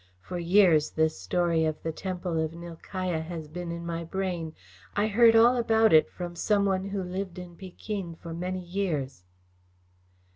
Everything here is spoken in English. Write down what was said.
For years this story of the temple of Nilkaya has been in my brain. I heard all about it from some one who lived in Pekin for many years."